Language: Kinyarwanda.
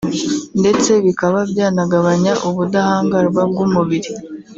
ndetse bikaba byanagabanya ubudahangarwa bw’umubiri